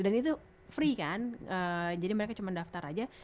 dan itu free kan jadi mereka cuma daftar aja